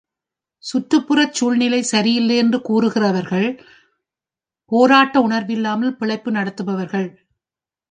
சுற்றுப்புறச் சூழ்நிலை சரியில்லை என்று கூறுகிறவர்கள் பேராட்ட உணர்வில்லாமல் பிழைப்பு நடத்துபவர்கள்.